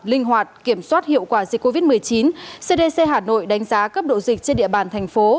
linh hoạt kiểm soát hiệu quả dịch covid một mươi chín cdc hà nội đánh giá cấp độ dịch trên địa bàn thành phố